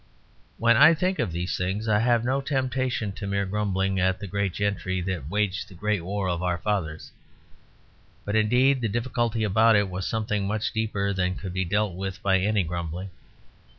When I think of these things, I have no temptation to mere grumbling at the great gentry that waged the great war of our fathers. But indeed the difficulty about it was something much deeper than could be dealt with by any grumbling.